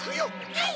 はい！